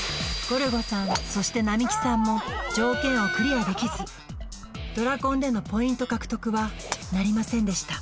ゴルゴさんそしてなみきさんも条件をクリアできずドラコンでのポイント獲得はなりませんでした